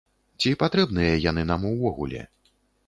Ці патрэбныя яны нам увогуле?